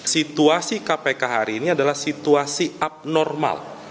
situasi kpk hari ini adalah situasi abnormal